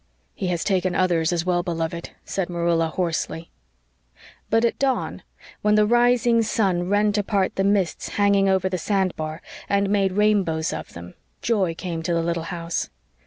"He has taken others as well beloved," said Marilla hoarsely. But at dawn, when the rising sun rent apart the mists hanging over the sandbar, and made rainbows of them, joy came to the little house.